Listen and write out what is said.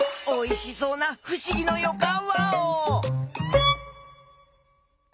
おいしそうなふしぎのよかんワオ！